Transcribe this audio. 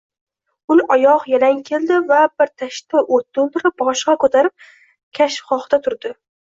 Ul oyogʻ yalang keldi va bir tashtda oʻt toʻldirib, boshigʻa koʻtarib, kashfgohda turdi